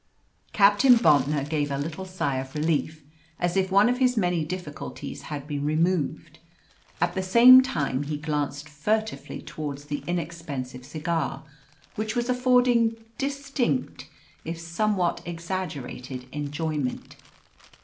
Captain Bontnor gave a little sigh of relief, as if one of his many difficulties had been removed. At the same time he glanced furtively towards the inexpensive cigar, which was affording distinct if somewhat exaggerated enjoyment.